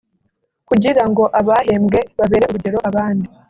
kugira ngo abahembwe babere urugero abandi